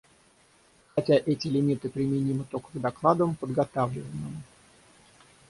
Хотя эти лимиты применимы только к докладам, подготавливаемым.